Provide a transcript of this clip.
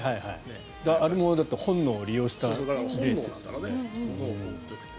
あれも本能を利用したレースですからね。